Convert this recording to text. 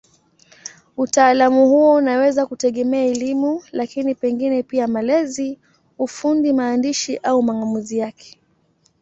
Utaalamu huo unaweza kutegemea elimu, lakini pengine pia malezi, ufundi, maandishi au mang'amuzi yake.